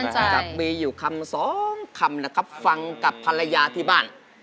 จากมีอยู่คำสองคำนะครับฟังกับภรรยาที่บ้าน